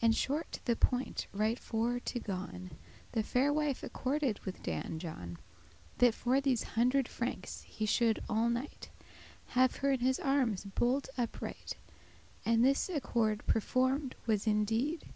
And shortly to the point right for to gon, The faire wife accorded with Dan John, That for these hundred francs he should all night Have her in his armes bolt upright; And this accord performed was in deed.